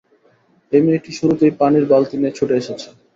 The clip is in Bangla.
এই মেয়েটি শুরুতেই পানির বালতি নিয়ে ছুটে এসেছে।